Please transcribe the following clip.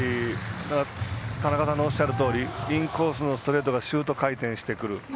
田中さんのおっしゃるとおりインコースのストレートがシュート回転してくる。